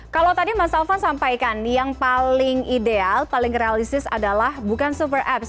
kalau tadi mas alvan sampaikan yang paling ideal paling realistis adalah bukan super apps